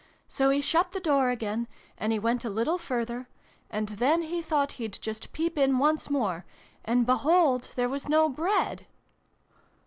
So he shut the door again ; and he went a little further ; and then he thought he'd just peep in once more. And behold, there was no Bread!"